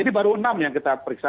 jadi baru enam yang kita periksa